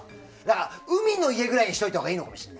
海の家ぐらいにしておいたほうがいいのかもしれない。